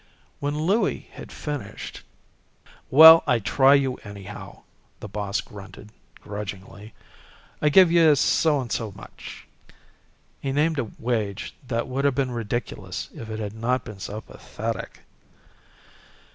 When Louie had finished "Well, I try you, anyhow," the boss grunted, grudgingly. "I give you so and so much." He named a wage that would have been ridiculous if it had not been so pathetic.